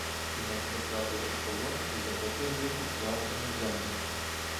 Князь потрапив у полон і заплатив викуп власними землями.